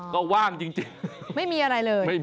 ก็ว่างจริงไม่มีอะไรเลย